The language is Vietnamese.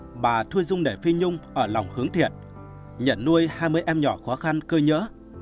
hướn cả bà thu dung để phi nhung ở lòng hướng thiệt nhận nuôi hai mươi em nhỏ khóa khăn cơi nhỡ